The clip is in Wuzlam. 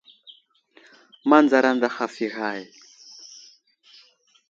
Manzar aday haf i ghay.